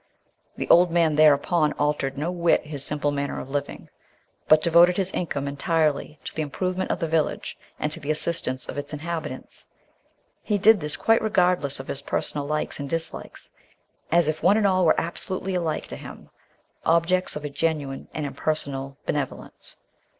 The old man thereupon altered no whit his simple manner of living, but devoted his income entirely to the improvement of the village and to the assistance of its inhabitants; he did this quite regardless of his personal likes and dislikes, as if one and all were absolutely alike to him, objects of a genuine and impersonal benevolence.